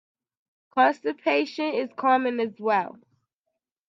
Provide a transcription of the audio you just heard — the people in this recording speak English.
Constipation is common as well.